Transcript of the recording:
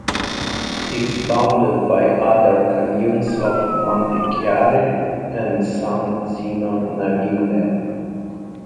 It is bounded by other communes of Montichiari and San Zeno Naviglio.